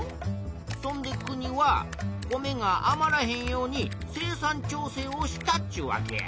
そんで国は米があまらへんように生産調整をしたっちゅうわけや。